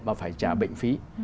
và phải trả bệnh phí